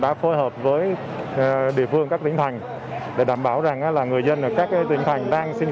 đã phối hợp với địa phương các tỉnh thành để đảm bảo rằng là người dân ở các tỉnh thành đang sinh